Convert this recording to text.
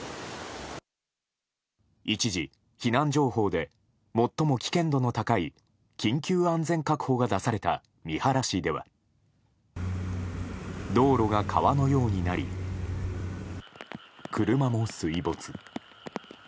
一時、避難情報で最も危険度の高い緊急安全確保が出された三原市では道路が川のようになり車も水没。